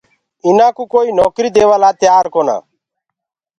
اُنآ ڪو ڪوئيٚ نوڪريٚ ديوآ لآ ڪونآ۔